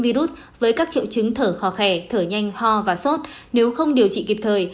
virus với các triệu chứng thở khó khẻ thở nhanh ho và sốt nếu không điều trị kịp thời